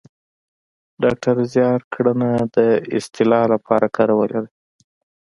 ډاکتر زیار ګړنه د اصطلاح لپاره کارولې ده